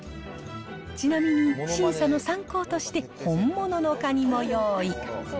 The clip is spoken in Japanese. ちなみに、審査の参考として本物のカニも用意。